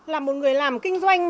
là một người làm kinh doanh